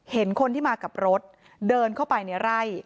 เห็นคนที่มากับรถเดินเข้าไปในไร่